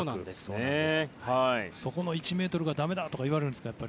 そこの１ｍがだめだ！とか言われるんですか？